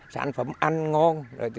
sản phẩm ăn ngon